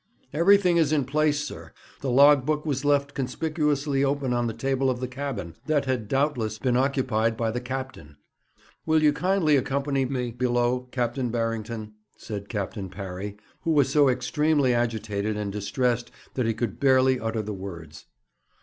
'Everything is in its place, sir. The log book was left conspicuously open on the table of the cabin, that had, doubtless, been occupied by the captain.' 'Will you kindly accompany me below, Captain Barrington?' said Captain Parry, who was so extremely agitated and distressed that he could barely utter the words.